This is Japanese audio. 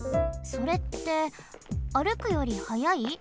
それって歩くより速い？